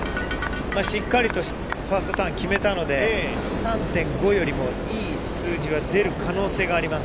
しっかりとファーストターンを決めたので３．５よりも良い数字は出る可能性があります。